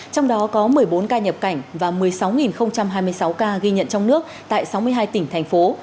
trong đó có một mươi bốn ca nhập cảnh và một mươi sáu hai mươi sáu ca ghi nhận trong nước tại sáu mươi hai tỉnh thành phố